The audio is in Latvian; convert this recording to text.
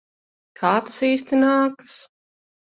Kā tas īsti nākas?